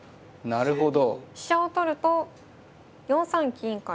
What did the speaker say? なるほど。